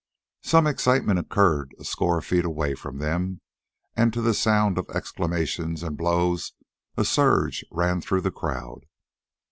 Some excitement occurred a score of feet away from them, and to the sound of exclamations and blows a surge ran through the crowd.